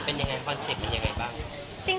เป็นอย่างไรคอนเซคมันเป็นอย่างไรบ้าง